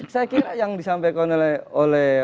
saya kira yang disampaikan oleh